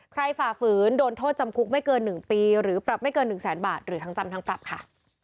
ใครฝ่าฝืนโดนโทษจำคุกไม่เกินหนึ่งปีหรือปรับไม่เกินหนึ่งแสนบาทหรือทางจำทางปรับค่ะ